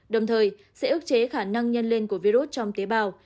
đồng thời sẽ ước chế khả năng nhân lên của virus trong tế bào